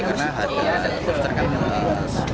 karena ada poster kabel lokas